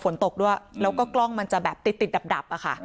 ฝนตกด้วยแล้วก็กล้องมันจะแบบติดติดดับอะค่ะ